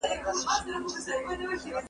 زه هره ورځ شګه پاکوم!!